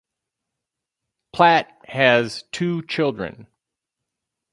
Platt has two children.